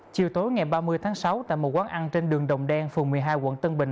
chiều tối ngày ba mươi tháng sáu tại một quán ăn trên đường đồng đen phường một mươi hai quận tân bình